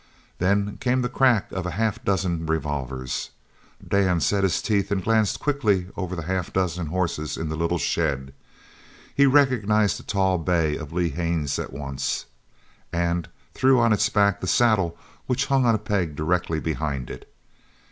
Then came the crack of half a dozen revolvers. Dan set his teeth and glanced quickly over the half dozen horses in the little shed. He recognized the tall bay of Lee Haines at once and threw on its back the saddle which hung on a peg directly behind it.